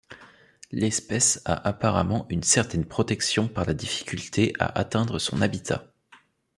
L'espèce a apparemment une certaine protection par la difficulté à atteindre son habitat.